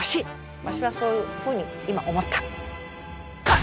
わしはそういうふうに今思った。